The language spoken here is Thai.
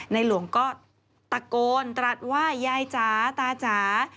หลวงก็ตะโกนตรัสว่ายายจ๋าตาจ๋า